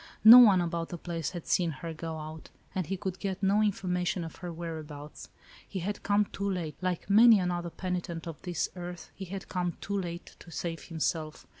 No one about the place had seen her go out, and he could get no information of her whereabouts. He had come too late; like many another penitent of this earth, he had come too late, to save himself.